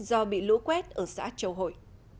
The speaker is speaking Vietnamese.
do bị lũ quét ở xã châu hội